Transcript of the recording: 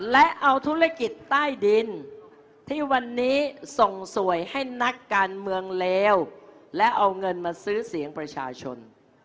และเอาธุรกิจใต้ดินที่วันนี้ส่งสวยให้นักการเมืองเลวและเอาเงินมาซื้อเสียงประชาชน